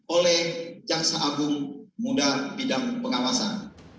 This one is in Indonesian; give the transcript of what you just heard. oleh jaksa agung muda bidang pengawasan